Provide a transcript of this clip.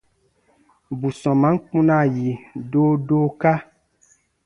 Bù sɔmaan kpunaa yi doodooka.